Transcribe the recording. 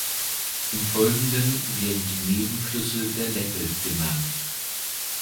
Im Folgenden werden die Nebenflüsse der Leppe genannt.